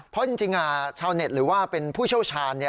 เพราะจริงชาวเน็ตหรือว่าเป็นผู้เชี่ยวชาญ